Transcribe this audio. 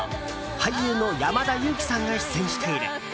俳優の山田裕貴さんが出演している。